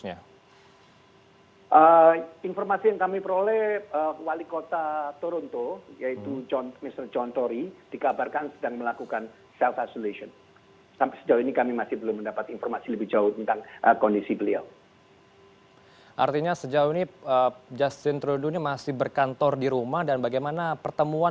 apakah ada pejabat lain yang terjangkit virus corona di kanada